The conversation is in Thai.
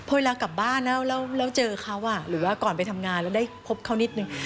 พอเวลากลับบ้านแล้วเจอเขาหรือว่าก่อนไปทำงานแล้วได้พบเขานิดนึง